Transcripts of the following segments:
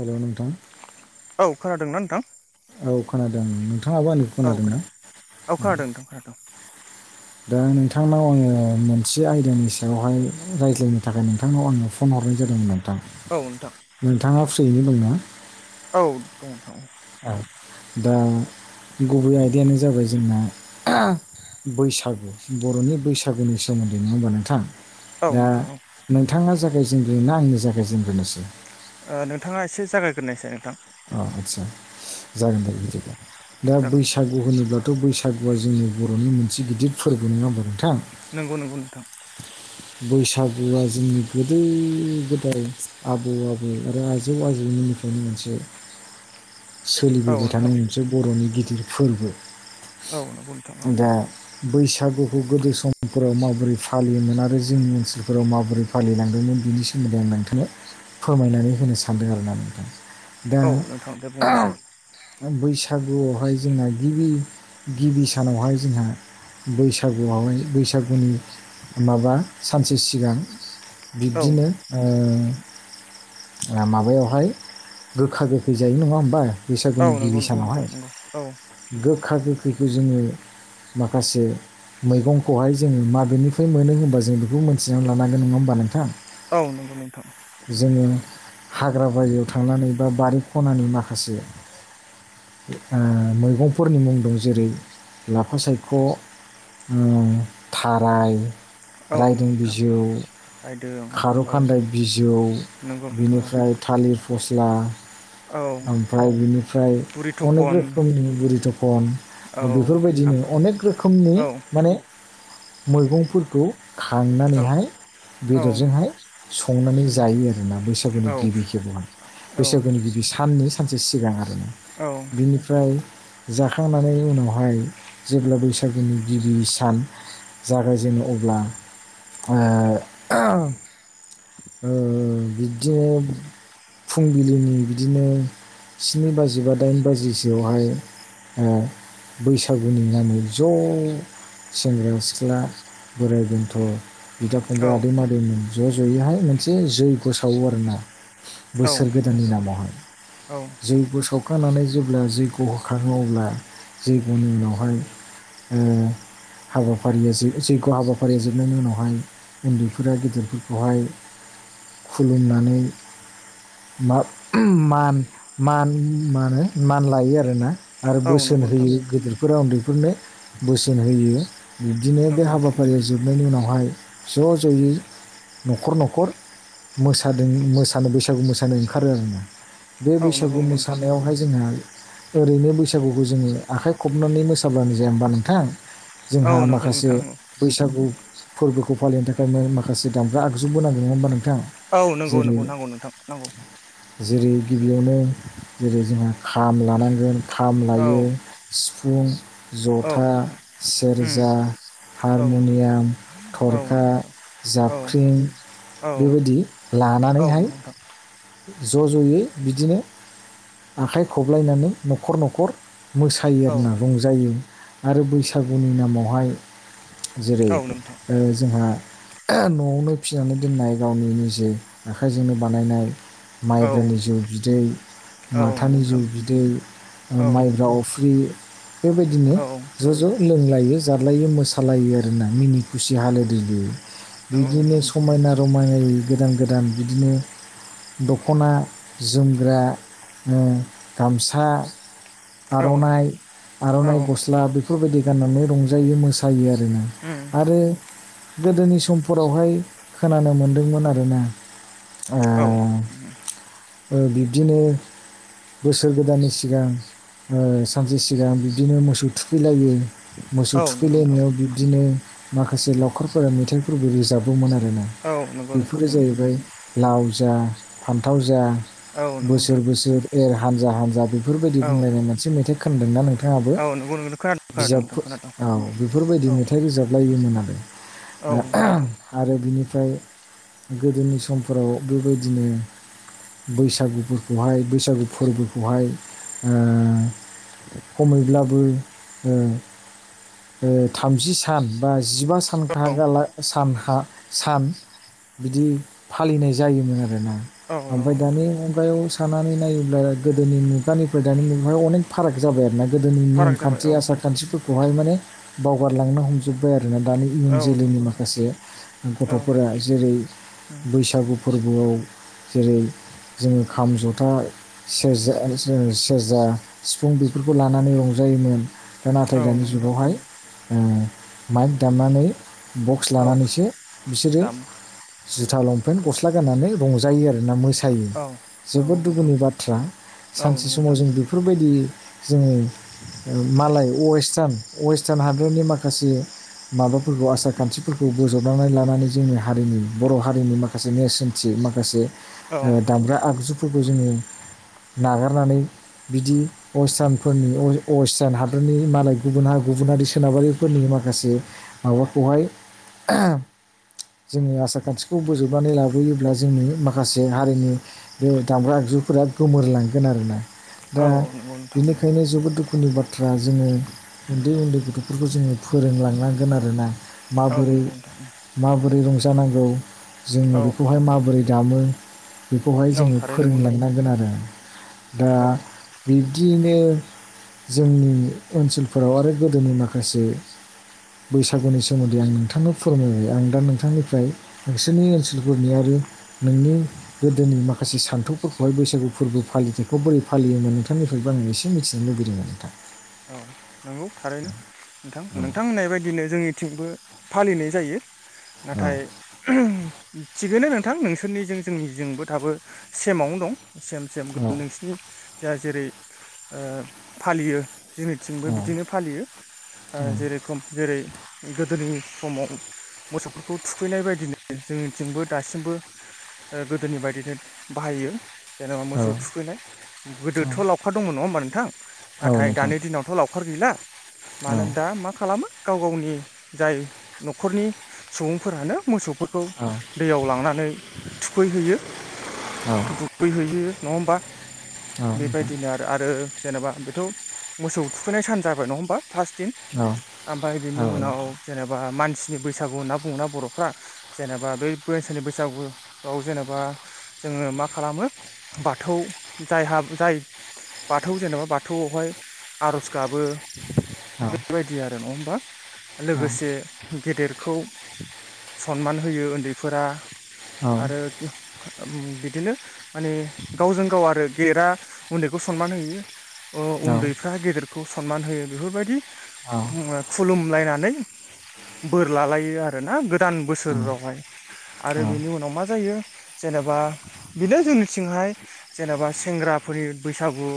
हेल' नोंथां। औ खोनादोंना नोंथां? औ खोनादों नोंथाङाबो आंनि औ खोनादोंना खोनादों औ खोनादों नोंथां खोनादों दा नोंथांनाव आङो मोनसे आयदानि सायावहाय रायज्लायनो थाखाय नोंथांनाव आङो फन हरनाय जादोंमोन आरो। औ नोंथां नोंथाङा फ्रियैनो दंना? औ दङ। दा गुबै आयदायानो जाबाय जोंना। बैसागु बर'नि बैसागुनि सोमोन्दै नङ हबा नोंथां? औ दा नोंथां नोंथाङा जागायजेनग्रोनोना आंनि जागायजेनग्रोनोसै। नोंथाङा एसे जागायग्रोननायसै नोंथां। अ आस्सा जागोन दे बिदिब्ला दा जागोन नोंथां बैसागु होनोब्लाथ' बैसागु सागुवआ जोंनि बर'नि मोनसे गिदिर फोरबो नङाहोनबा नोंथां। नंगौ नंगौ नोंथां। बैसागुआ जोंनि गोदो गोदाय आबौ आबौ आरो आजौ आजौनि निफ्रायनो मोनसे औ सोलिबोबाय नोंथां थानाय मोनसे बर'नि गिदिर फोरबो। औ नंगौ नोंथां औ। दा बैसागुखौ गोदो समफोराव माबोरै फालियोमोन आरो जोंनि ओनसोलफोराव माबोरै फालिलांदोंमोन। बिनि सोमोन्दै आं नोंथांनो फोरमायनानै होनो सानदों आर औ नोंथां द औ। बैसागुआवहाय जोंना गिबि गिबि सानावहाय जोंहा बैसागुआवहाय बैसागुनि माबा सानसे सिगां। औ बिब्दिनो ओ माबायावहाय गोखा गोखै ज जायो नंङा होमबा औ बैसागुनि नंगौ गिबि नंगौ नोंथां सानावहाय नंगौ औ गोखा गोखैखौ जोंङो। माखासे। मैगंखौहाय जोंङो माबेनिफ्राय मोनो होनबा जों बेखौ मोनथिनानै लानांगोन नंङा होमबा नोंथां? औ नंगौ नोंथां। जोङो हाग्रा बारियाव थांनानै बा बारि खनानि माखासे ओ मैगंफोरनि मुं दं जेरै लाफा सायख' ओ थाराय औ रायदों नोंथां बिजौ। रायदों खार औ खान्दाय बिजौ नंगौ नोंथां औ बिनिफ्राय थालिर फस ला औ ओमफ्राय बिनिफ्राय बुरि अनेक थखन रोखोमनि बुरि थखन। औ बेफोरबायदिनो ओमफ्राय अनेक रोखोमनि औ माने मैगंफोरखौ। औ खांनानैहाय औ बेदरजोंहाय संनानै जायो आरोना बैसागुनि गिबि खेबावहाय औ बैसागुनि गिबि मोननै सानसे सिगां आरोना औ बिनिफ्राय जाखांनानै उनावहाय जेब्ला बैसागुनि गिबि सान जागायजेनो अब्ला ओ ओ बिदिनो फुंबिलिनि बिदिनो स्नि बाजि बा दाइन बाजिसोआवहाय ओ बैसागुनि नामै ज' सेंग्रा सिख्ला। बोराइ बेन्थ' बिदा फंबाय आदै आदैमोन ज' ज'यैहाय मोनसे जैग्य' सावो आरोना। बोसोर गोदाननि नोंथां नामावहाय। औ जैग्य' सावखांनानै जेब्ला जैग्य' होखांङो अब्ला जैग्य'नि उनावहाय ओ हाबाफारिया जैग्य' हाबाफारिया जोबनायनि उनावहाय उन्दैफोरा गेदेरफोरखौहाय खुलुमनानै मान मान मानो मान लायो आरोना। आरो औ नंगौ बोसोन नोंथां होयो गेदिरफोरा उन्दैफोरनो बोसोन होयो। बिब्दिनो बे नंगौ नोंथां हाबाफारिया जोबनायनि उनावहाय। ज' ज'यै न'खर न'खर। मोसादों मोसानो बैसागु मोसानो ओंखारो आरो न। बे औ नंगौ बैसागु नंगौ नोंथां मोसानायावहाय जोंहा ओरैनो बैसागुखौ जोंङो आखाइ खबनानै मोसाब्लानो जाया होमबा नोंथां। औ जोंहा नंगौ माखासे नोंथां बैसागु फोरबोखौ फालिनो थाखाय माखासे दामग्रा आगजुबो नांगौ नङा होनबा नों औ नंगौ नंगौ नांगौ नोंथां नांगौ। जेरै गिबियावनो जेरै जोंहा खाम लानांगोन खाम औ लायो सिफ फुं औ जथा नोंथां उम सेरजा। औ नंगौ नोंथां हारमनियाम औ थरखा नंगौ नोंथां औ जाबख्रिं। औ बेबायदि औ लानानैहाय। नंगौ नोंथां ज' ज'यै बिदिनो आखाइ खबलायनानै न'खर न'खर मोसायो औ आरोना नंगौ रंजायो आरो बैसागुनि नामावहाय। जेरै औ नोंथां ओ जोंहा। न'आवनो फिनानै दोननाय गावनि निजे आखाइजोंनो बानायनाय औ माइब्रनि जौ बिदै। औ नंगौ माथानि जौ नोंथां बिदै औ नंगौ माइब्रा अफ्रि बेबायदिनो नोंथां औ उम ज' ज' लोंलायो जालायो मोसालायो आरोना मिनि खुसि हालो दैलो। औ बिदिनो समायना रमायनाय गोदान गोदान बिदिनो दख'ना जोमग्रा गामसा औ आर'नाइ आर'नाइ नंगौ गस्ला बेफोरबायदि गाननानै रंजायो मोसायो आरोना आरो गोदोनि समफोरावहाय खोनानो मोनदोंमोन आरोना बिब्दिनो बोसोर गोदाननि सिगां ओ सानसे सिगां बिदिनो मोसौ थुखैलायो मोसौ नोंथां थुखैलायनायाव बिब्दिनो माखासे लावखारफोरा मेथाइफोरबो रोजाबोमोन आरो ना औ नंगौ नोंथां बेफोरो जाहैबाय लाव जा फान्थाव जा औ नंगौ नोंथां बोसोर बोसोर एर हानजा हानजा बेफोरबायदि औ बुंलायनाय मोनसे मेथाइ खोनदोंना नोंथाङाबो औ नंगौ नंगौ खोनादों खोनादों बिजाबफो नोंथां खोनादों औ बेफोरबायदि औ मेथाइ रोजाबलायोमोनालाय औ ओ नंगौ नोंथां [unintelligible] आरो बिनिफ्राय गोदोनि समफोराव बेबायदिनो बैसागुफोरखौहाय बैसागु फोरबोखौहाय ओ खमैब्लाबो ओ थामजि सान बा जिबा औ सानखागाला सानखा सान बिदि फालिनाय जायोमोन आरोना। औ ओमफाय नंगौ नोंथां दानि मुगायाव सानानै नायोब्ला गोदोनि मुगानिफ्राय दानि मुगायाव अनेक फाराग जाबाय आरोना। गोदोनि नियम फाराग जाबाय खान्थि औ आसार नंगौ खान्थिफोरखौ बहाय माने बावगारलांनो हमजोब्बाय आरो ना दानि इयुन औ जोलैनि नंगौ नोंथां माखासे औ गथ'फोरा जेरै बैसागु फोरबोआव जेरै जोङो खाम ज'था सेरजा जो सेरजा सिफुं बेफोरखौ लानानै रंजायो। जायोमोन दा नाथाय औ दानि नंगौ नोंथां जुगावहाय ओ माइक दामनानै बक्स औ लानानैसो बिसोरो दामो जुथा लंपेन गस्ला गाननानै रंजायो आरोना मोसायो औ जोबोद नंगौ नोंथां दुखुनि बाथ्रा औ सानसे नंगौ समाव नोंथां जों बेफोरबायदि जोङो मालाय वेस्टार्न वेस्टार्न हादरनि माखासे माबाफोरखौ आसार खान्थिफोरखौ बोजबनानै लानानै जोंनि हारिनि बर' हारिनि माखासे नेरसोनथि माखासे माखासे औ ओ दामग्रा आगजुफोरखौ जोङो नागारनानै बिदि अस्थानफोरनि अ वेस्टार्न हादरनि मालाय गुबुन हा गुबुन हारि सोनाबारिफोरनि माखासे माबाखौहाय जोङो आसार खान्थिखौ बोजोबनानै लाबोयोब्ला जोंनि माखासे हारिनि बे दामग्रा आगजुफोरा गोमोरलांगोन आरोना औ औ नंगौ नोंथां बिनिखायनो जोबोद दुखुनि बाथ्रा जोङो उन्दै उन्दै गथ'फोरखौ जोङो फोरोंलांनांगोन आरोना औ माबोरै नंगौ नोंथां माबोरै रंजानांगौ जोङो औ औ बेखौहाय माब बोरै दामो बेखौहाय औ जोङो थारै नंगौ फोरोंलांनांगोन आरो। दा औ बिब्दिनो जोंनि ओनसोलफोराव आरो गोदोनि माखासे बैसागुनि सोमोन्दै आं नोंथांनो फोरमायबाय आं दा नोंथांनिफ्राय नोंसोरनि ओनसोलफोरनि आरो नोंनि गोदोनि माखासे सान्थौफोरखौहाय बैसागु फोरबो फालिथायखौ बोरै फालियोमोन नोंथांनि बेखौ आं एसे मिथिनो लुबैदोंमोन नोंथां औ नंगौ थारैनो नोंथां नोंथां होननाय बायदिनो जोंनिथिंबो फालिनाय जायो औ नाथाय थिगैनो नोंथां नोंसोरनिजों जोंनि जोंबो थाबो सेमावनो दं सेम सेम औ नोंसिनि जा जेरै ओ फालियो। जोंनिथिंबो औ बिदिनो फालियो जेरेखम जेरै गोदोनि समाव मोसौफोरखौ थुखैनाय बायदिनो जोंनिथिंबो दासिमबो ओ गोदोनि बायदिनो बाहायो जेनेबा मोसौ थुखैनाय गोदोथ' लावखार दंमोन नङा होमबा नोंथां औ नाथाय नोंथां दानि दिनावथ' लावखार गैला औ मानो दा मा खालामो गाव गावनि जाय न'खरनि सुबुंफोरानो मोसौफोरखौ औ दैयाव लांनानै थुखैहैयो औ औ दुगैहैयो नङा होमबा नोंथां औ नोंथां औ औ नोंथां औ बेबायदिनो आरो आरो जेनेबा बेथ' मोसौ थुखैनाय सान जाबाय नङा होमबा? फार्स्ट दिन ओमफाय बिनि उनाव जेनेबा मानसिनि बैसागु होनना बुङोना बर'फ्रा जेनेबा बेै बोसोरनि बैसागुखौ जेनेबा जोङो मा खालामो बाथौ जायहा जाय बाथौ जेनेबा बाथौआवहाय आर'ज गाबो। बेबायदि आरो नङा होमबा लोगोसे गेदेरखौ सनमान होयो ओन्दैफोरा आरो ओम बिदिनो माने गावजों गाव आरो गेेदेरा उन्दैखौ सनमान होयो। ओ उन्दैफ्रा गेदेरखौ सनमान होयो बेफोरबायदि मुङा खुलुमलायनानै बोर लालायो आरोना गोदान बोसोरावहाय। आरो बेनि उनाव मा जायो जेनेबा बिनो जोंनिथिंहाय जेनेबा सेंग्रा फुरियुद बैसागु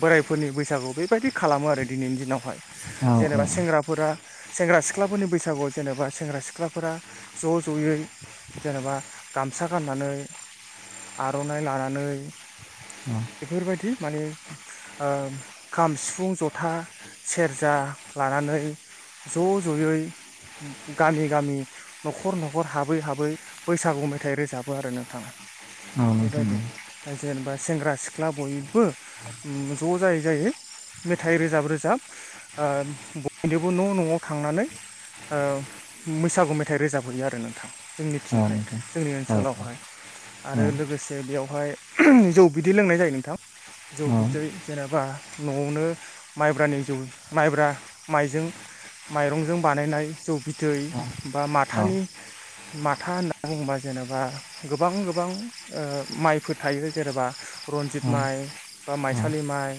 बोराइफोरनि बैसागु बेबायदि खालामो आरो दिनैनि दिनावहाय। जेनेबा सेंग्राफोरा सेंग्रा सिख्लाफोरनि बैसागुआव जेनेबा सेंग्रा सिख्लाफोरा ज' ज'यै जेनेबा गा मसा गाननानै आर'नाइ लानानै बेफोरबायदि माने ओ खाम सिफुं जथा सेरजा लानानै ज' ज'यै गामि गामि न'खर न'खर हाबै हाबै बैसागु मेथाइ रोजाबो आरो नोंथां। बेबायदि ओ जेनेबा सेंग्रा सिख्ला बयबो उम ज' जायै जायै मेथाइ रोजाब रोजाब ओ बयनोबो न' न'आव थांनानै ओ मोसागु मेथाइ रोजाबहैयो आरो नोंथां। जोंनिथिंहाय जोंनि ओनसोलावहाय। आरो लोगोसे बेयावहाय [unintelligible] जौ बिदै लोंनाय जायो नोंथां। जौ बिदै जेनेबा न'आवनो माइब्रानि जौ माइब्रा माइजों माइरंजों बानायनाय जौ बिदै बा माथानि माथा होनना बुङोबा जेनेबा गोबां गोबां ओ माइफोर थायो जेनेबा रनजित औ माइ बा औ माइसालि माइ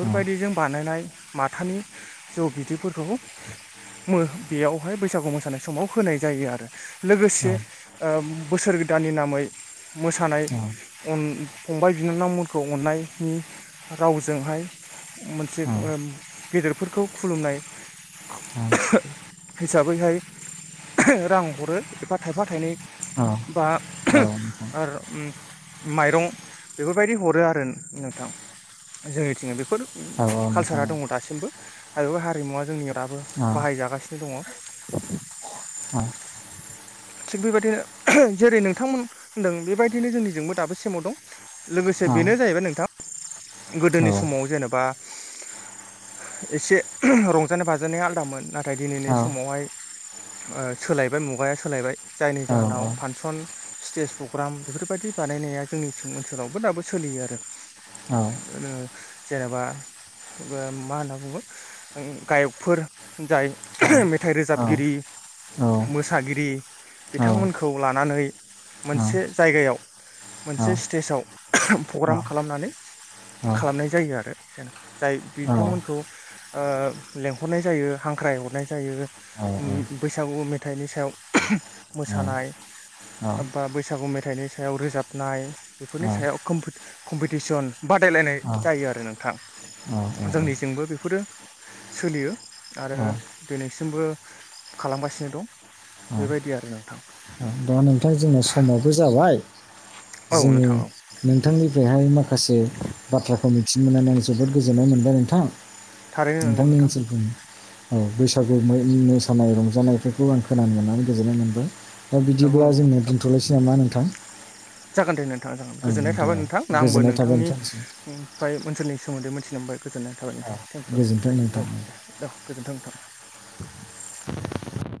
औ नोंथां औ नोंथां औ बानायनाय माथानि जौ बिदैफोरखौ मो बेयावहाय बैसागु मोसानाय समाव होनाय जायो आरो लोगोसे ओ बोसोर गो दाननि नामै मोसानाय अन फंबाय बिनानावमोनखौ अन्नायनि रावजोंहाय मोनसे ओम गेदेरफोरखौ खुलुमनाय [unintelligible] हिसाबैहाय [unintelligible] रां हरो एबा थायफा थाइनै बा [unintelligible] आर उम माइरं बेफोरबायदि हरो आरो नोंथां जोंनिथिंहाय बेफोर कालसारा दङ दासिमबो आरो हारिमुवा जोंनियाव दाबो बाहायजागासिनो दङ। [unintelligible] अ थिग बेबायदिनो [unintelligible] जेरै नोंथांमोन होनदों बेबायदिनो जोंनिजोंबो दाबो सेमाव दं। लोगोसे बेनो जाहैबाय नोंथां गोदोनि समाव जेनेबा हो एसे [unintelligible] रंजानाय बाजानाया आलादामोन नाथाय दिनैनि समावहाय ओ सोलायबाय मुगाया सोलायबाय जायनि जाहोनाव फानसन स्टेज प्रग्राम बेफोरबायदि बानायनाया जोंनि सोम ओनसोलावबो दाबो सोलियो आरो। ओरोनो जेनेबा बोआ मा होनना बुङो ओं गायकफोर जाय [unintelligible] मेथाइ रोजाबगिरि मोसागिरि औ बिथांमोनखौ लानानै मोनसे जायगायाव मोनसे स्टेजाव [unintelligible] औ फग्राम खालामनानै खालामनाय जायो आरो जेनेबा जाय थांमोनखौ ओ लेंहरनाय जायो हांख्राय हरनाय जायो उम बैसागु गु मेथाइनि सायाव मोसानाय बा बैसागु मेथाइनि सायाव रोजाबनाय बेफोरनि सायाव कम्फोट कम्पिटिसन बाट दायलायनाय जायो आरो नोंथां जोंनिजोंबो बेफोरो सोलियो आरो दिनैसिमबो खालामगासिनो दं। बेबायदि आरो नोंथां दा नोंथां जोंना समावबो जाबाय औ जोंनि नोंथां औ नोंथांनिफ्रायहाय माखा से बाथ्राखौ मिथिनो मोननानै आं जोबोद गोजोननाय मोनबाय नोंथां थारैनो नंगौ नोंथांनि नोंथां ओनसोलफोरनि औ बैसागु मोइ मोसानाय रंजानायफोरखौ आं खोनानो मोननानै गोजोननाय मोनबाय। दा नंगौ बिदिब्ला नंगौ जोंनो नोंथां दोन्थ'लायसै नामा नोंथां? जागोन दे नोंथां जागोन औ गोजोननाय थाबाय औ नोंथां आंबो गोजोननाय थाबाय नोंथांनिसिम नोंथांनिफाय ओनसोलनि सोमोन्दै मिनथिनो मोनबाय गोजोननाय थाबाय औ नोंथां थेंक इउ गोजोन्थों औ नोंथां दे औ गोजोन्थों नोंथां। [unintelligible]